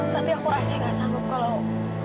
tapi aku rasa gak sanggup kalau